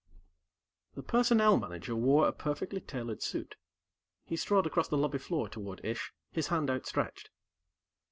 The Personnel Manager wore a perfectly tailored suit. He strode across the lobby floor toward Ish, his hand outstretched.